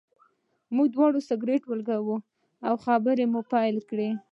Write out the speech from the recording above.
موږ دواړو سګرټ ولګاوه او خبرې مو پیل کړې.